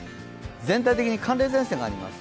全体的に寒冷前線があります。